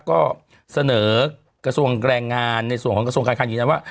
ก็เสนอกระทรวงแรงงานในส่วนของกระทรวงการคังยืนยันว่า